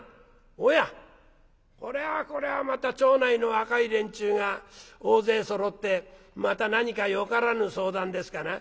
「おやこれはこれはまた町内の若い連中が大勢そろってまた何かよからぬ相談ですかな」。